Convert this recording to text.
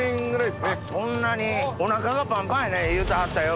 そんなにおなかがパンパンやね言うてはったように。